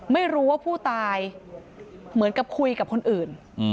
ไม่รู้ว่าผู้ตายเหมือนกับคุยกับคนอื่น